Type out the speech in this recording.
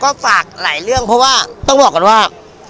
ก็ฝากหลายเรื่องเพราะว่าต้องบอกก่อนว่า